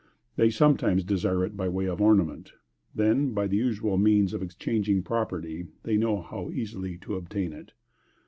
They sometimes desire it by way of ornament. Then by the usual means of exchanging property, they know how, easily, to obtain it.